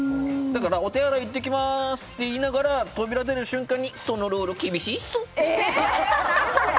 お手洗い行ってきますって言いながら扉出る瞬間にそのルール厳しいっす。